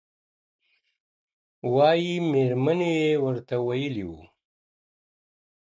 وایي میرمنې یې ورته ویلي و